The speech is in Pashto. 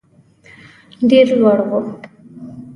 ډېر لوړ وو.